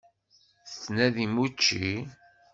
Tettnadim učči?